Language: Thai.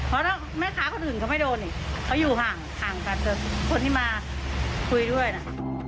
เพราะแม่ค้าก็ดึงเขาไม่โดนอีกเขาอยู่ห่างคนที่มาคุยด้วยน่ะ